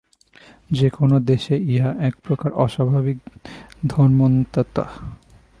যে-কোন দেশে ইহা এক প্রকার অস্বাভাবিক ধর্মোন্মত্ততা।